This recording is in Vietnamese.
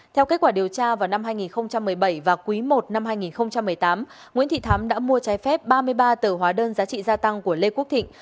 theo kết quả điều tra vào năm hai nghìn một mươi bảy và quý i năm hai nghìn một mươi tám nguyễn thị thắm đã mua trái phép ba mươi ba tờ hóa đơn giá trị gia tăng của lê quốc thịnh